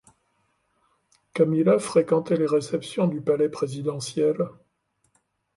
Camila fréquentait les réceptions du palais présidentiel.